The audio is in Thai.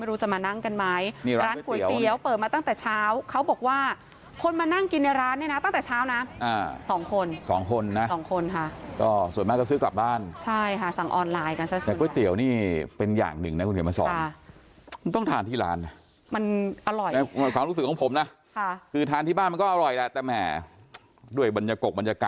จะมานั่งกันไหมนี่ร้านก๋วยเตี๋ยวเปิดมาตั้งแต่เช้าเขาบอกว่าคนมานั่งกินในร้านเนี่ยนะตั้งแต่เช้านะสองคนสองคนนะสองคนค่ะก็ส่วนมากก็ซื้อกลับบ้านใช่ค่ะสั่งออนไลน์กันซะแต่ก๋วยเตี๋ยวนี่เป็นอย่างหนึ่งนะคุณเขียนมาสอนมันต้องทานที่ร้านมันอร่อยนะความรู้สึกของผมนะค่ะคือทานที่บ้านมันก็อร่อยแหละแต่แหมด้วยบรรยากาศ